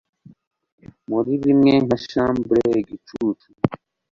Muri bimwe nka chambre igicucu